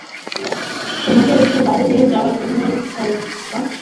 তোমাকে রেখে বাইরে যাওয়ার জন্য সরি, খোকা!